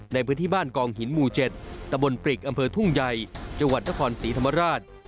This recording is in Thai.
ในพื้นที่บ้านกองหินหมู่๗ตะบนปริกอำเภอทุ่งใหญ่จังหวัดนครศรีธรรมราช